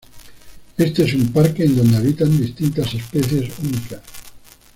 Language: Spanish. Este es un parque en donde habitan distintas especies únicas.